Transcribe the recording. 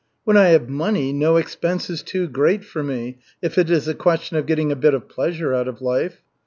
When I have money, no expense is too great for me, if it is a question of getting a bit of pleasure out of life.